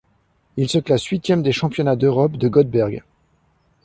Il se classe huitième des Championnats d'Europe de Göteborg.